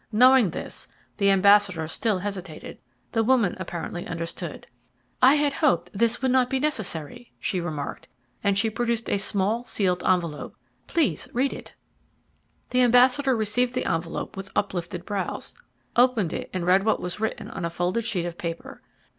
Knowing this, the ambassador still hesitated. The woman apparently understood. "I had hoped that this would not be necessary," she remarked, and she produced a small, sealed envelope. "Please read it." The ambassador received the envelope with uplifted brows, opened it and read what was written on a folded sheet of paper.